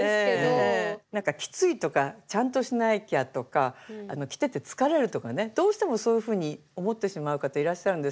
なんかきついとかちゃんとしなきゃとか着てて疲れるとかねどうしてもそういうふうに思ってしまう方いらっしゃるんですけど。